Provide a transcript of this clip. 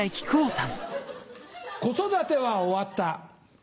子育ては終わった。